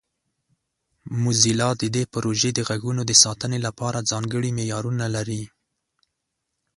موزیلا د دې پروژې د غږونو د ساتنې لپاره ځانګړي معیارونه لري.